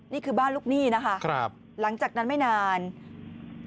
นี่คือบ้านลูกนี่นะคะหลังจากนั้นไม่นานครับ